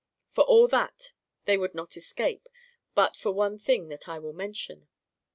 For all that they would not escape but for one thing that I will mention.